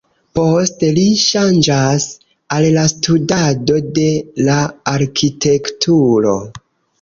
Poste li ŝanĝas al la studado de la Arkitekturo.